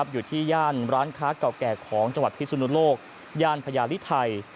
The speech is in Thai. อยู่ที่ย่านร้านค้าเก่าแก่ของจังหวัดพิสุนุโลกย่านพญาลิไทย